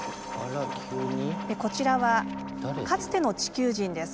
こちらはかつての地球人です。